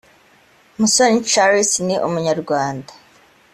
musoni charles ni umunyarwanda